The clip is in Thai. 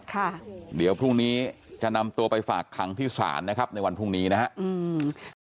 ค่ะเดี๋ยวพรุ่งนี้จะนำตัวไปฝากขังที่ศาลนะครับในวันพรุ่งนี้นะฮะอืม